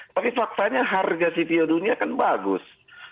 tapi faktanya harga cpo dunia kan bagus